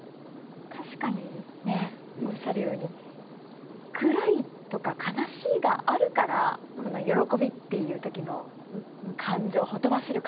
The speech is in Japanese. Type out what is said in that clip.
確かにおっしゃるように暗いとか悲しいがあるからこの喜びっていう時の感情ほとばしる